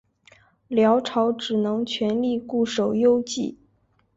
辽朝只能全力固守幽蓟。